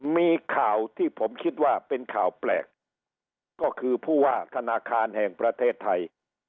มีข่าวที่ผมคิดว่าเป็นข่าวแปลกก็คือผู้ว่าธนาคารแห่งประเทศไทย